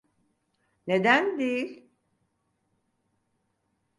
Neden değil?